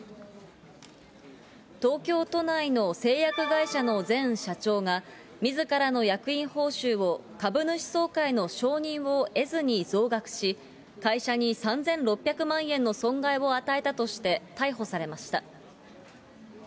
東京都内の製薬会社の前社長が、みずからの役員報酬を株主総会の承認を得ずに増額し、会社に３６００万円の損害を与えたとして逮捕されました。